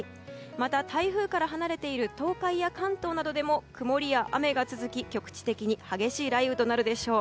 また台風から離れている東海や関東などでも曇りや雨が続き、局地的に激しい雷雨となるでしょう。